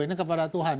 ini kepada tuhan